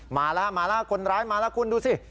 มาล่ะคนร้ายมาล่ะคุณดูสิ